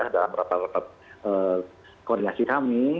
dalam beberapa rekomendasi kami